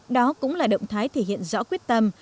đó cũng là động thái thể hiện rõ quyết tâm